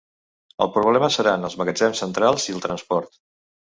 El problema seran els magatzem centrals i el transport.